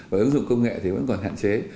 và ứng dụng công nghệ thì vẫn còn hạn chế